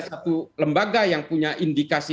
satu lembaga yang punya indikasi